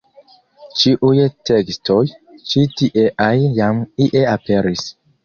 Ĉiuj tekstoj ĉi-tieaj jam ie aperis.